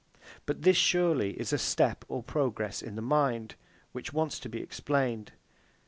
But this surely is a step or progress of the mind, which wants to be explained.